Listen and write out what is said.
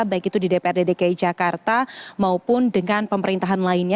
baik itu di dprd dki jakarta maupun dengan pemerintahan lainnya